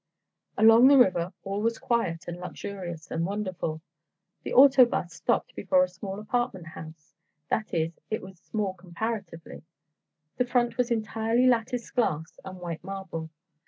Along the river all was quiet and luxurious and wonderful. The auto 'bus stopped before a small apartment house—that is, it was small comparatively. The front was entirely latticed glass and white marble.